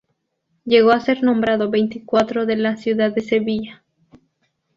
Llegó a ser nombrado veinticuatro de la ciudad de Sevilla.